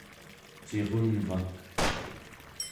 cirunvak